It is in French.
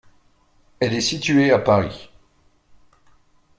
Elle est située à Paris.